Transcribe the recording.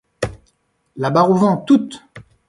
La barre au vent, toute !